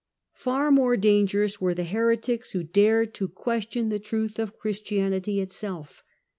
The Far more dangerous were the heretics who dared to question the truth of Christianity itself.